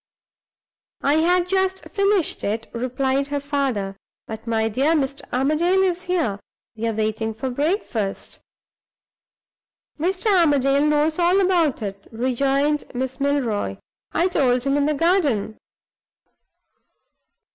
"I had just finished it," replied her father. "But, my dear, Mr. Armadale is here we are waiting for breakfast." "Mr. Armadale knows all about it," rejoined Miss Milroy. "I told him in the garden."